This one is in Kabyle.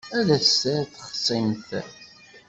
Ad as-d-terr texṣimt.